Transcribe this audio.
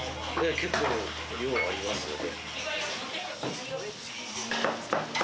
結構量ありますよね。